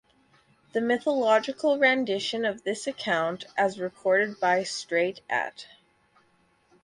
The mythological rendition of this account as record by Straight et.